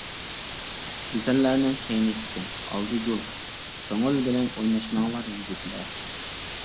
گۈزەللەرنىڭ كەينى تىكەن، ئالدى گۈل، كۆڭۈل بىلەن ئويناشماڭلار يىگىتلەر.